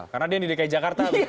karena dia yang di dki jakarta